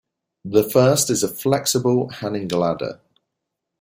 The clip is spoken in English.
The first is a flexible hanging ladder.